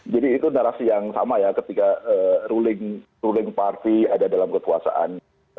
jadi itu narasi yang sama ya ketika ruling party ada dalam ketuasaan